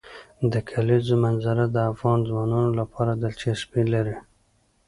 د کلیزو منظره د افغان ځوانانو لپاره دلچسپي لري.